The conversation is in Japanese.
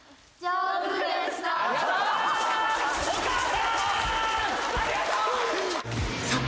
ありがとう！